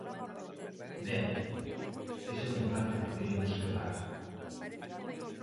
Ben, ese é un debate que teremos que dar.